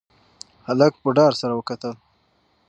هلک په ډار سره وکتل.